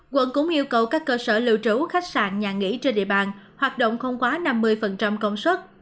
quận cũng yêu cầu các cơ sở lưu trú khách sạn nhà nghỉ trên địa bàn hoạt động không quá năm mươi công suất